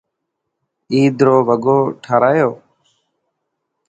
عيد رو وگو ٺارايو؟